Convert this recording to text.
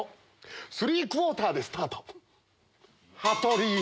スリークオーターでスタート！